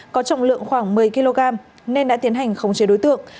có trọng lượng khoảng một mươi kg nên đã tiến hành khống chế đối tượng